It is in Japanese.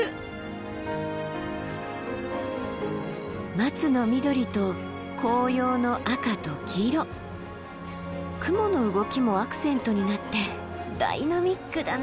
マツの緑と紅葉の赤と黄色雲の動きもアクセントになってダイナミックだな。